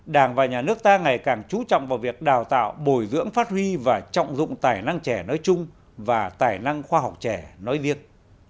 đảng và nhà nước ta ngày càng trú trọng vào việc đào tạo bồi dưỡng phát huy và trọng dụng tài năng trẻ nói chung và tài năng khoa học trẻ nói riêng